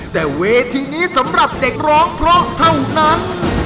แต่เวทีนี้สำหรับเด็กร้องเพราะเท่านั้น